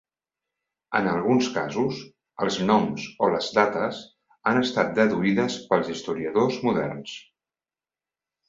En alguns casos, els noms o les dates han estat deduïdes pels historiadors moderns.